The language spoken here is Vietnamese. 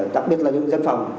đặc biệt là những dân phòng